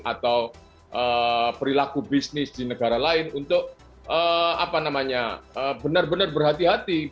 atau perilaku bisnis di negara lain untuk benar benar berhati hati